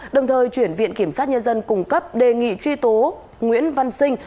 đồng thời chuyển viện kiểm sát nhân dân cung cấp đề nghị truy tố nguyễn văn sinh